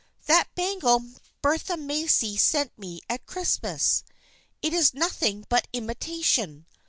" That bangle Bertha Macy sent me at Christ mas. It is nothing but imitation.